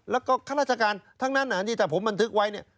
แล้วก็ข้าราชการทั้งนั้นที่ถ้าผมบันทึกไว้เนี่ย